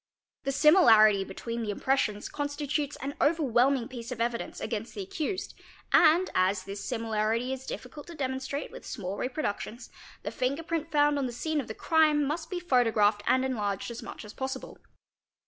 The similarity between the impressions constitutes an overwhelming piece of evidence against the accused and, as this simila rity is difficult to demonstrate with small reproductions, the finger print found on the scene of the crime must be photographed and enlarged as much as possible.